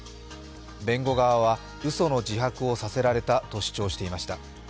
弁護側はうその自白をさせられたと主張していました。